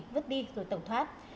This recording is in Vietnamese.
vứt đi rồi tẩu thoát